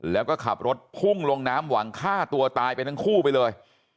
แล้วก็ขับรถพุ่งลงน้ำหวังฆ่าตัวตายไปทั้งคู่ไปเลย